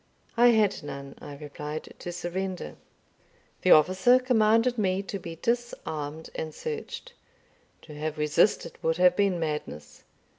"I had none," I replied, "to surrender." The officer commanded me to be disarmed and searched. To have resisted would have been madness.